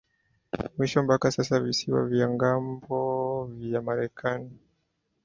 mwisho mpaka sasa Visiwa vya ngambo vya Marekani